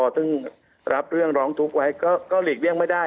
ซึ่งรับเรื่องร้องทุกข์ไว้ก็หลีกเลี่ยงไม่ได้